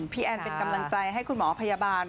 แอนเป็นกำลังใจให้คุณหมอพยาบาล